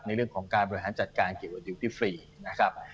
ในเรื่องของการบริหารจัดการเกี่ยวกับดิวตี้ฟรีนะครับ